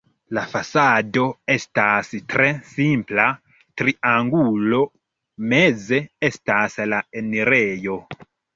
La fasado estas tre simpla triangulo, meze estas la enirejo.